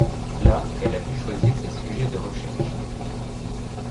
Là, elle a pu choisir ses sujets de recherche.